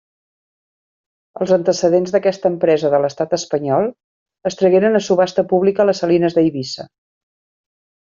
Els antecedents d'aquesta empresa de l'Estat espanyol, es tragueren a subhasta pública les salines d'Eivissa.